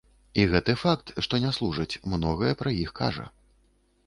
І гэты факт, што не служаць, многае пра іх кажа.